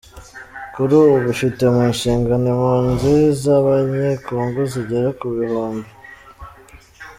kuri ubu ifite mu nshingano impunzi z’Abanyekongo zigera ku bihumbi.